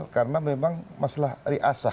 karena memang masalah riasah